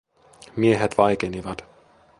Miehet vaikenivat.